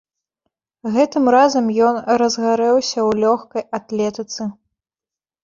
Гэтым разам ён разгарэўся ў лёгкай атлетыцы.